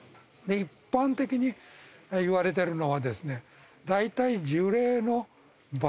一般的にいわれてるのはだいたい。